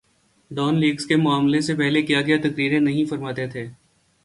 Dawn leaks کے معاملے سے پہلے کیا کیا تقریریں نہیں فرماتے تھے۔